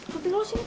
sampai lu disini